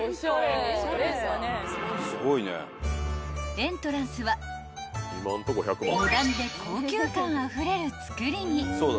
［エントランスはモダンで高級感あふれる造りに］